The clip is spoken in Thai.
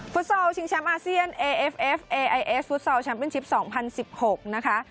ฟุตซอลชิงแชมป์อาเซียนเอเอฟเอฟเอไอเอสฟุตซอลชัมเป็นชิปสองพันสิบหกนะคะ